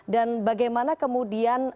dan bagaimana kemudian